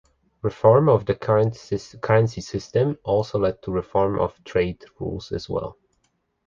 Reform of the currency system also led to reform of trade rules as well.